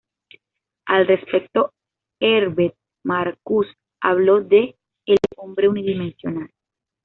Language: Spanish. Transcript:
Al respecto Herbert Marcuse habló de "El hombre unidimensional".